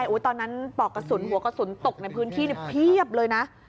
ตอนนั้นปอกกระสุนหัวกระสุนตกในพื้นที่เพียบเลยนะ